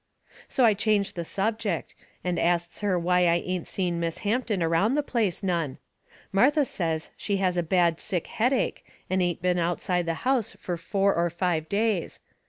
So I changed the subject, and asts her why I ain't seen Miss Hampton around the place none. Martha says she has a bad sick headache and ain't been outside the house fur four or five days.